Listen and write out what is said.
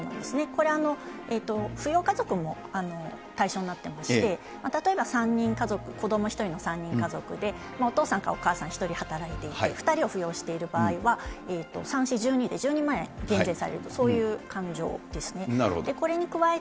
これ、扶養家族も対象になってまして、例えば３人家族、子ども１人の３人家族で、お父さんかお母さん１人働いていて、２人を扶養している場合は、３×４、１２で、減税されると、そういう勘定ですね。